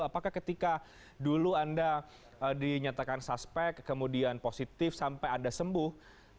apakah ketika dulu anda dinyatakan suspek kemudian positif sampai anda sembuh